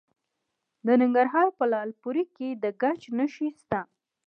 د ننګرهار په لعل پورې کې د ګچ نښې شته.